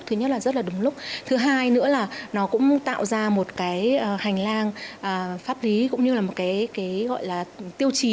thứ nhất là rất là đúng lúc thứ hai nữa là nó cũng tạo ra một cái hành lang pháp lý cũng như là một cái gọi là tiêu chí